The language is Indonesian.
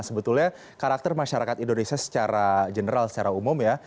sebetulnya karakter masyarakat indonesia secara general secara umum ya